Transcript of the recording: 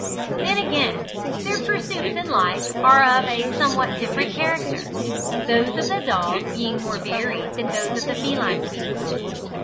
Then, again, their pursuits in life are of a somewhat different character, those of the dog being more varied than those of the feline species.